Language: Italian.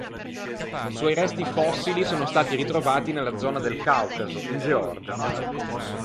I suoi resti fossili sono stati ritrovati nella zona del Caucaso, in Georgia.